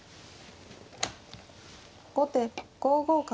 後手５五角。